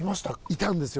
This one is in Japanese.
いたんですよ。